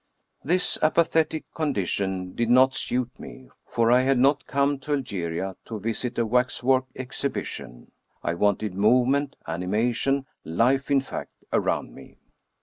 This apathetic condition did not suit me, for I had not come to Algeria to visit a waxwork exhibition. I wanted movement, animation, life in fact, around me.